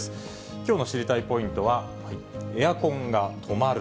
きょうの知りたいポイントは、エアコンが止まる。